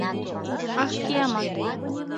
Ах, киямат!..